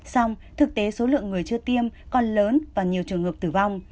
xong thực tế số lượng người chưa tiêm còn lớn và nhiều trường hợp tử vong